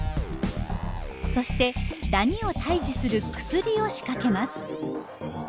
そしてダニを退治する薬を仕掛けます。